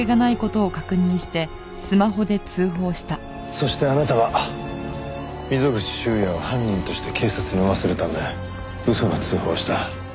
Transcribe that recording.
そしてあなたは溝口修也を犯人として警察に追わせるため嘘の通報をした。